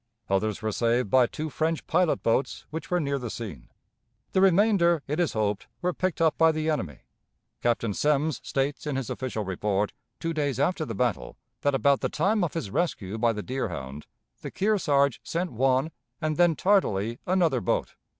Others were saved by two French pilot boats which were near the scene. The remainder, it is hoped, were picked up by the enemy. Captain Semmes states in his official report, two days after the battle, that about the time of his rescue by the Deerhound the "Kearsarge sent one and then tardily another boat."